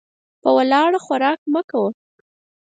په ولاړه خوراک مه کوه .